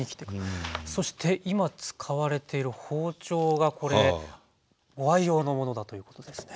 そして今使われている包丁がこれご愛用のものだということですね。